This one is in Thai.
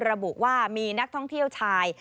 ระบุว่ามีนักท่องเที่ยวชาย